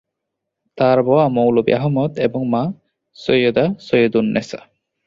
তার বাবা মৌলভী আহমদ এবং মা সৈয়দা সৈয়দুন্নেসা।